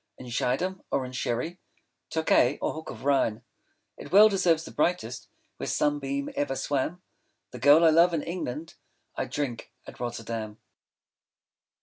50 In Schiedam, or in Sherry, Tokay, or Hock of Rhine, It well deserves the brightest Where sunbeam ever swam, 'The girl I love in England,' 55 I drink at Rotterdam!